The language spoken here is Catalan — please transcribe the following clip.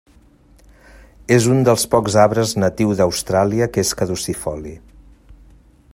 És un dels pocs arbres natiu d'Austràlia que és caducifoli.